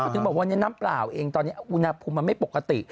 ถึงบอกว่าวันนี้น้ำเปล่าเองตอนนี้อุณหภูมิมันไม่ปกติ